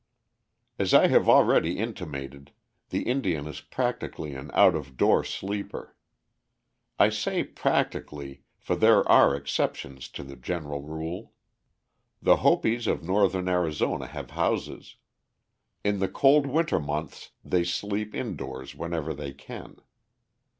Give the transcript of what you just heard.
] As I have already intimated, the Indian is practically an out of door sleeper. I say "practically," for there are exceptions to the general rule. The Hopis of northern Arizona have houses. In the cold winter months they sleep indoors whenever they can.